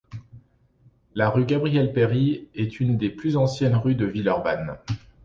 La rue Gabriel-Péri est une des plus anciennes rues de Villeurbanne.